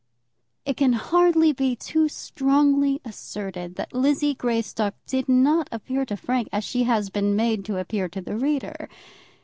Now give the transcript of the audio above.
It can hardly be too strongly asserted that Lizzie Greystock did not appear to Frank as she has been made to appear to the reader.